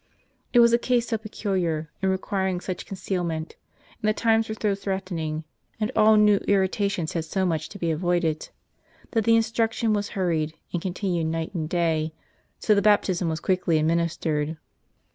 It was a case so peculiar, and requiring such concealment, and the times were so threat ening, and all new irritations had so nmch to be avoided, that the instruction was hurried, and continued night and day : so that baptism was quickly administered.